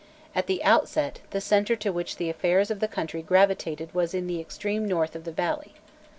At the outset, the centre to which the affairs of the country gravitated was in the extreme north of the valley.